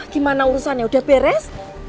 gimana urusannya udah beres